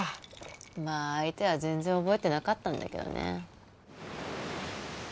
まあ相手は全然覚えてなかったんだけどね